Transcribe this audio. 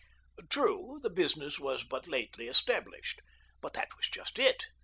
True, the business was but lately established, but that was just it.